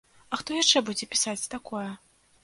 А хто яшчэ будзе пісаць такое?